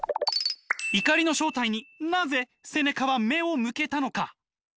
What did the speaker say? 怒りの正体になぜセネカは目を向けたのか？